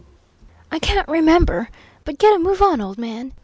"I can't remember; but get a move on, old man.